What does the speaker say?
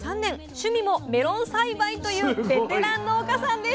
趣味もメロン栽培というベテラン農家さんです